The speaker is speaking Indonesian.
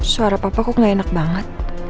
suara papa kok gak enak banget